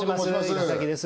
岩崎です